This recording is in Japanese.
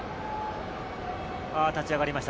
立ち上がりました。